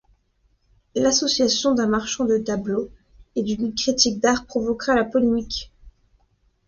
L'association d'un marchand de tableau et d'une critique d'art provoquera la polémique.